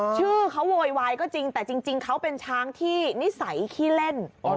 ชื่อเขาโวยวายก็จริงแต่จริงเขาเป็นช้างที่นิสัยขี้เล่น